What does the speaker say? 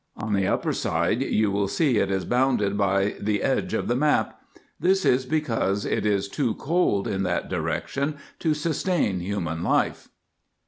On the upper side you will see it is bounded by the edge of the map; this is because it is too cold in that direction to sustain human life.